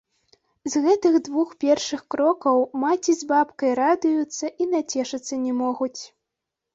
З гэтых двух першых крокаў маці з бабкай радуюцца і нацешыцца не могуць.